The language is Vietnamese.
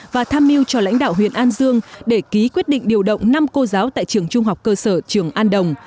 và tham mưu cho lãnh đạo huyện an dương để ký quyết định điều động năm cô giáo tại trường trung học cơ sở trường an đồng